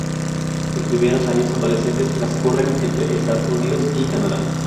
Sus primeros años adolescentes transcurren entre Estados Unidos y Canadá.